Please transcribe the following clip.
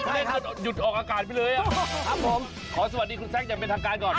เล่นถ้าหยุดออกอากาศไปเลยครับผมขอสวัสดีคุณแซคอย่างเป็นทางการก่อน